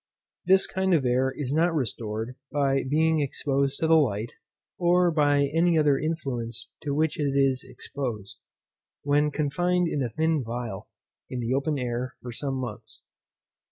This kind of air is not restored by being exposed to the light, or by any other influence to which it is exposed, when confined in a thin phial, in the open air, for some months.